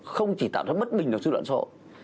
không chỉ tạo ra mất bình trong sự luận sở hội